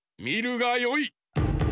みるがよい。